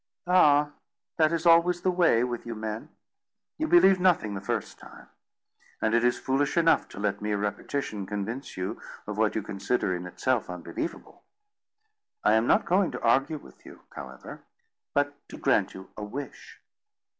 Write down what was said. "Ah! that is always the way with you men; you believe nothing the first time; and it is foolish enough to let mere repetition convince you of what you consider in itself unbelievable. I am not going to argue with you, however, but to grant you a wish."